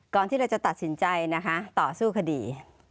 ที่เราจะตัดสินใจนะคะต่อสู้คดี